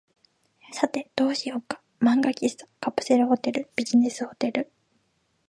さて、どうしようか。漫画喫茶、カプセルホテル、ビジネスホテル、